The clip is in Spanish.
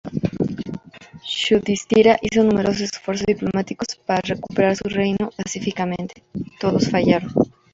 Yudhishthira hizo numerosos esfuerzos diplomáticos para recuperar su reino pacíficamente; todos fallaron.